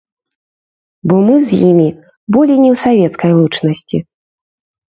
Бо мы з імі болей не ў савецкай лучнасці.